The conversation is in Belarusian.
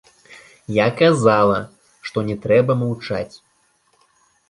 Я казала, што не трэба маўчаць.